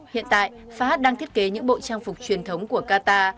hiện tại fahad đang thiết kế những bộ trang phục truyền thống của qatar